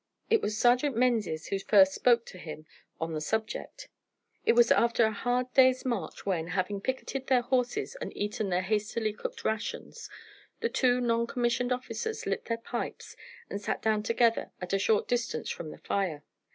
It was Sergeant Menzies who first spoke to him on the subject. It was after a hard day's march when, having picketed their horses and eaten their hastily cooked rations, the two non commissioned officers lit their pipes and sat down together at a short distance from the fire.